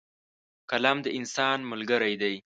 قلم د انسان ملګری دی.